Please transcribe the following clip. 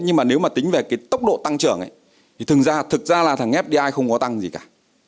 nhưng nếu tính về tốc độ tăng trưởng thì thực ra là fdi không có tăng gì cả